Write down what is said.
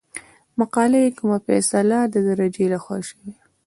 ماته چې کومه فيصله دجرګې لخوا شوې